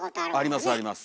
ありますあります